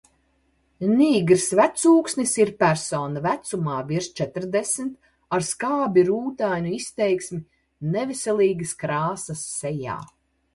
Nīgrs vecūksnis ir persona vecumā virs četrdesmit, ar skābi rūtainu izteiksmi neveselīgas krāsas sejā.